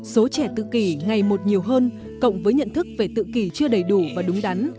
số trẻ tự kỷ ngày một nhiều hơn cộng với nhận thức về tự kỷ chưa đầy đủ và đúng đắn